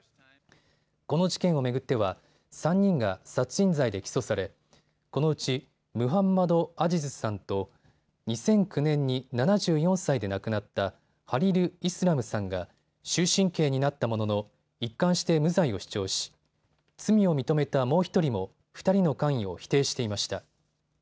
この事件を巡っては３人が殺人罪で起訴され、このうちムハンマド・アジズさんと２００９年に７４歳で亡くなったハリル・イスラムさんが終身刑になったものの一貫して無罪を主張し罪を認めたもう１人も２人の関与を否定していました。